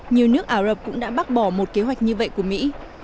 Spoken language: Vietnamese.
nhiều nước ả rập cũng đã bác bỏ một kế hoạch như vậy của mỹ